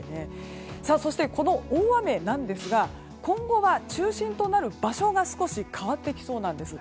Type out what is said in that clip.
そして、この大雨なんですが今後は中心となる場所が少し変わってきそうなんです。